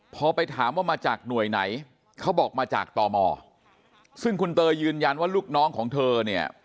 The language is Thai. พอไปถามว่ามาจากหน่วยไหนเขาบอกมาจากตมซึ่งคุณเตยยืนยันว่าลูกน้องของเธอเนี่ย